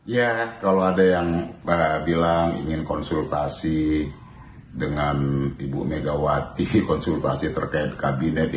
ya kalau ada yang bilang ingin konsultasi dengan ibu megawati konsultasi terkait kabinet